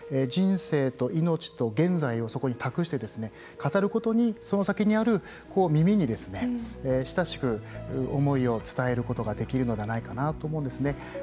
人生と命と現在をそこに託して語ることにその先にある耳に親しく思いを伝えることができるのではないかなと思うんですね。